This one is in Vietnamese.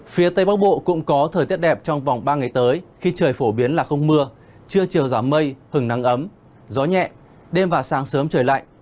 phía tây bắc bộ cũng có thời tiết đẹp trong vòng ba ngày tới khi trời phổ biến là không mưa trưa chiều giảm mây hứng nắng ấm gió nhẹ đêm và sáng sớm trời lạnh